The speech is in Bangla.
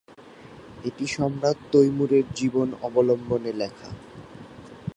এটি সম্রাট তৈমুরের জীবন অবলম্বনে লেখা।